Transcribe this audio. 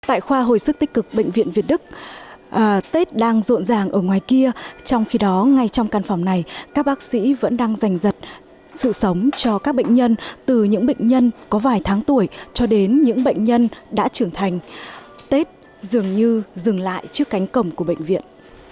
tại khoa hồi sức tích cực bệnh viện việt đức tết đang rộn ràng ở ngoài kia trong khi đó ngay trong căn phòng này các bác sĩ vẫn đang giành giật sự sống cho các bệnh nhân từ những bệnh nhân có vài tháng tuổi cho đến những bệnh nhân đã trưởng thành tết dường như dừng lại trước cánh cổng của bệnh viện